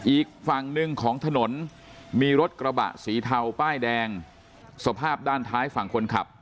อีกฝั่งหนึ่งของถนนมีรถกระบะสีเทาป้ายแดงสภาพด้านท้ายฝั่งคนขับ